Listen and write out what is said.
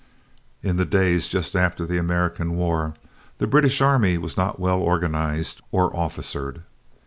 In the days just after the American War, the British army was not well organized or officered.